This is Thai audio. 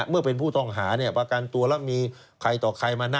เมื่อเป็นผู้ต้องหาเนี่ยประกันตัวแล้วมีใครต่อใครมานะ